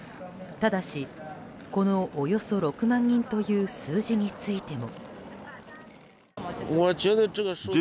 ただし、このおよそ６万人という数字についても。